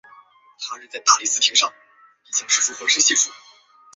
其北侧则邻近天津街商业街。